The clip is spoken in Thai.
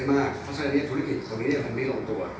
เพราะฉะนั้นคนนี้ธุรกิจคนนี้เราไม่ร่องตัว